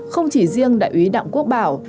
không chỉ riêng đại úy đặng quốc bảo